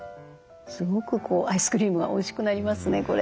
すごくアイスクリームがおいしくなりますねこれ。